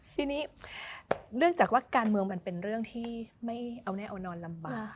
ทีนี้เนื่องจากว่าการเมืองมันเป็นเรื่องที่ไม่เอาแน่เอานอนลำบาก